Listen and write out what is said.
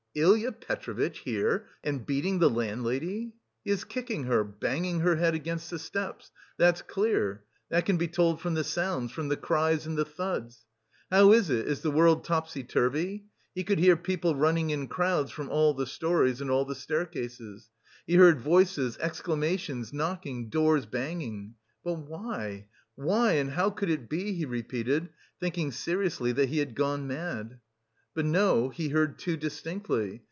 Ilya Petrovitch here and beating the landlady! He is kicking her, banging her head against the steps that's clear, that can be told from the sounds, from the cries and the thuds. How is it, is the world topsy turvy? He could hear people running in crowds from all the storeys and all the staircases; he heard voices, exclamations, knocking, doors banging. "But why, why, and how could it be?" he repeated, thinking seriously that he had gone mad. But no, he heard too distinctly!